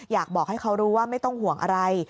อยากให้บอกให้เขารู้ว่าไม่ต้องห่วงอะไร